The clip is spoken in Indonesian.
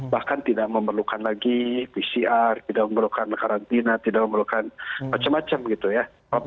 bahkan tidak memerlukan lagi pcr tidak memerlukan karantina tidak memerlukan macam macam gitu ya